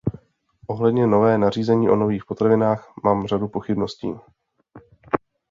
Ohledně nového nařízení o nových potravinách mám řadu pochybností.